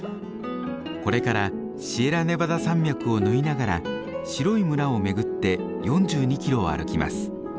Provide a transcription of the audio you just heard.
これからシエラネバダ山脈を縫いながら白い村を巡って４２キロを歩きます。